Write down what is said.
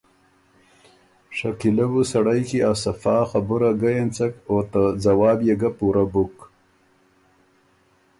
شکیلۀ بُو سړئ کی ا صفا خبُره ګۀ اېنڅک او ته ځواب يې ګۀ پُورۀ بُک۔